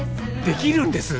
「できるんです」？